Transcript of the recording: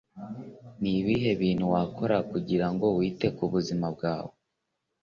ni ibihe bintu wakora kugira ngo wite ku bizima bwawe